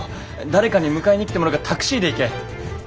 誰かに迎えに来てもらうかタクシーで行け。